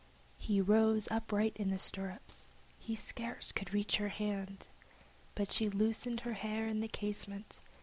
He stood upright in the stirrups; he scarce could reach her hand, But she loosened her hair in the casement!